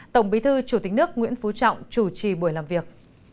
tổng bí thư chủ tịch nước nguyễn phú trọng chủ trì buổi làm việc